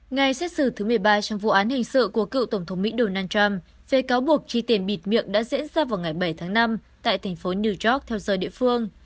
ngày xét xử thứ một mươi ba trong vụ án hình sự của cựu tổng thống mỹ donald trump về cáo buộc chi tiền bịt miệng đã diễn ra vào ngày bảy tháng năm tại thành phố new york theo giờ địa phương